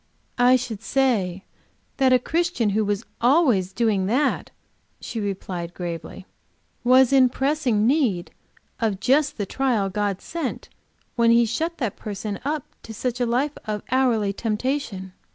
"I should say that a Christian who was always doing that," she replied, gravely, "was in pressing need of just the trial God sent when He shut him up to such a life of hourly temptation.